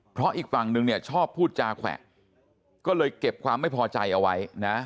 เพราะอีกฝั่งนึงเนี่ยชอบพูดจาแขวะก็เลยเก็บความไม่พอใจเอาไว้นะ